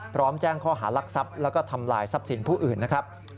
พร้อมแจ้งข้อหารักทรัพย์แล้วก็ทำลายทรัพย์สินผู้อื่นนะครับ